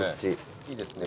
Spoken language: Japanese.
いいですね